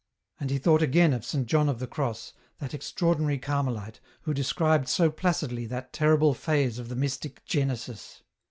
And he thought again of Saint John of the Cross, that extraordinary Carmelite who described so placidly that terrible phase of the mystic genesis.